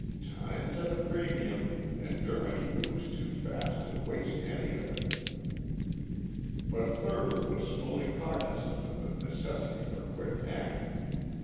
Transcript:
"Time's at a premium and Germany moves too fast to waste any of it." But Thurber was fully cognizant of the necessity for quick action.